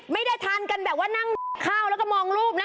ไม่ได้ทานกันแบบว่านั่งข้าวแล้วก็มองรูปนะ